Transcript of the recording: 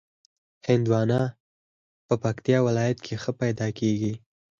هندوانه د پکتیا په ولایت کې ښه پیدا کېږي.